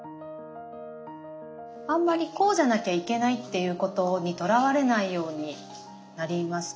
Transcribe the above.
あんまりこうじゃなきゃいけないっていうことにとらわれないようになりました。